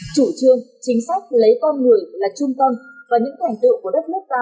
chủ trương chính sách lấy con người là trung tâm